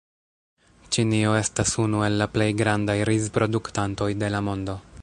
Ĉinio estas unu el la plej grandaj rizproduktantoj de la mondo.